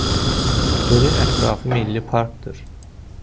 Gölün ətrafı milli parkdır.